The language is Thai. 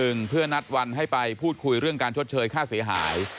อีกครั้งหนึ่งเพื่อนัดวันให้ไปพูดคุยเรื่องการชดเชยค่าเสียหาย